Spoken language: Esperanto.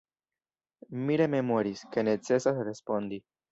Mi rememoris, ke necesas respondi.